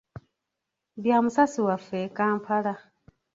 Bya musasi waffe e Kampala.